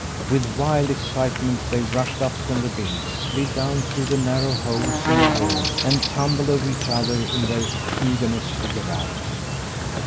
With wild excitement they rushed up from the bins, slid down through the narrow holes in the walls, and tumbled over each other in their eagerness to get out.